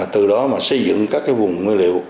từ đó mà xây dựng các vùng nguyên liệu